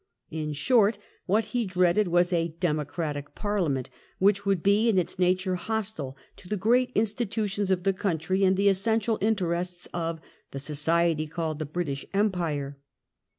In short, what he dreaded was a "democratic Parliament," which would be in its nature hostile to the great institutions of the country and the essential interests of " the society called the British Empire."